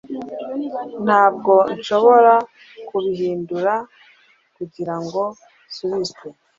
ntabwo nshobora kubihindura kugirango nsubizwe